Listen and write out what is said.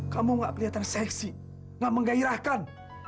kamu gak kelihatan seksi nggak menggairahkan